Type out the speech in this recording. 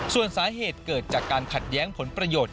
ส่วนสาเหตุเกิดจากการขัดแย้งผลประโยชน์